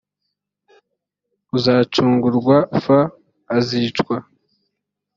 uzacungurwa f azicwe